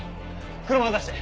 車を出して！